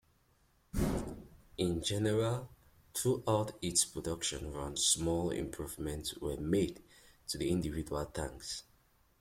In general, throughout its production run small improvements were made to the individual tanks.